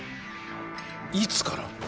いつから？